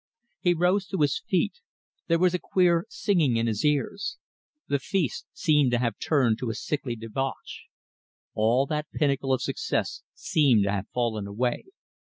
He rose to his feet. There was a queer singing in his ears. The feast seemed to have turned to a sickly debauch. All that pinnacle of success seemed to have fallen away.